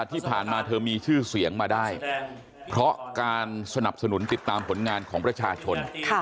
ที่ผ่านมาเธอมีชื่อเสียงมาได้เพราะการสนับสนุนติดตามผลงานของประชาชน